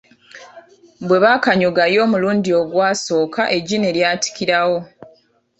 Bwebakanyugayo omulundi ogwasooka eggi ne lyatikirawo.